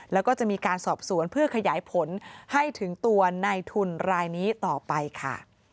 แล้วก็จะมีการสอบสวนเพื่อขยายผลให้ถึงตัวในทุนรายนี้ต่อไปค่ะ